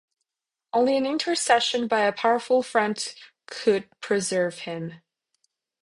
Only an intercession by a powerful friend could preserve him.